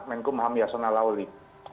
menkum ham yasona lawli